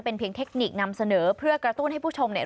เป็นเพียงเทคนิคนำเสนอเพื่อกระตุ้นให้ผู้ชมเนี่ย